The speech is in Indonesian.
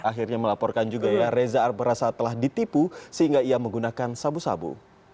akhirnya melaporkan juga ya reza ar merasa telah ditipu sehingga ia menggunakan sabu sabu